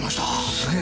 すげえ！